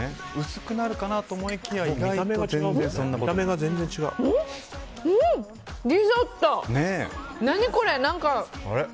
薄くなるかなと思いきや意外と全然そんなことない。